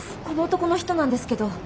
この男の人なんですけど。